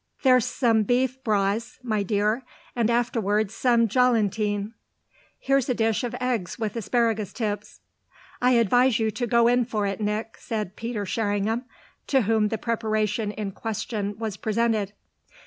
"There's some boeuf braisé, my dear, and afterwards some galantine. Here's a dish of eggs with asparagus tips." "I advise you to go in for it, Nick," said Peter Sherringham, to whom the preparation in question was presented.